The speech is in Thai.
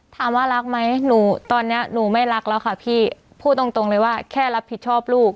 ถามว่ารักไหมหนูตอนนี้หนูไม่รักแล้วค่ะพี่พูดตรงเลยว่าแค่รับผิดชอบลูก